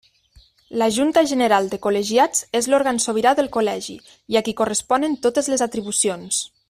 La Junta General de Col·legiats és l'òrgan sobirà del Col·legi i a qui corresponen totes les atribucions.